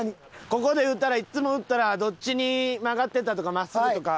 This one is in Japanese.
ここで打ったらいつも打ったらどっちに曲がってたとか真っすぐとか。